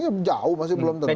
ya jauh masih belum tentu